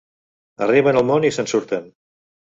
Arriben al món i se'n surten.